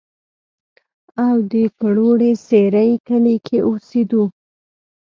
او د کروړې سېرۍ کلي کښې اوسېدو